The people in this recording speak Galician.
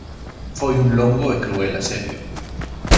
Foi un longo e cruel asedio.